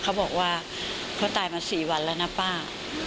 เขาบอกว่าเขาตายมา๔วันแล้วนะป้า